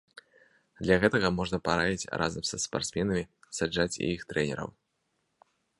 Для гэтага можна параіць разам са спартсменамі саджаць і іх трэнераў.